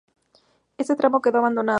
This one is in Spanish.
Este tramo quedó abandonado.